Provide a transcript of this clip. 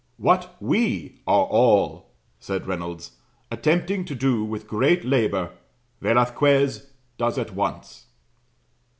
"What we are all," said Reynolds, "attempting to do with great labor, Velasquez does at once."